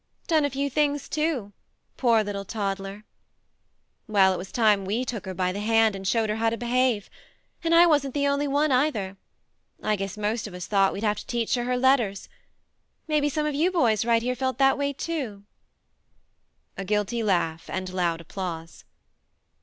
Done a few things too poor little toddler ! Well it was time we took her by the hand, and showed her how to behave. And I wasn't the only one either ; I guess most of us thought we'd have to teach her her letters. Maybe some of you boys right here felt that way too ?" A guilty laugh, and loud applause.